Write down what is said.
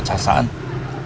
kebawa t questa